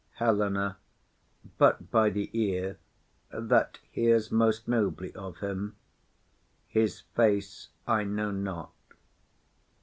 HELENA. But by the ear, that hears most nobly of him; His face I know not.